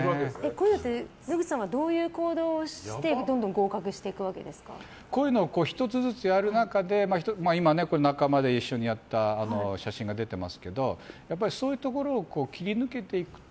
こういうのって野口さんは、どういう行動をしてこういうのを１つずつやる中で今、仲間で一緒にやった写真が出てますけどそういうところを切り抜けていくと